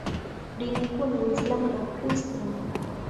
Dini kuu ni Uislamu na Ukristo.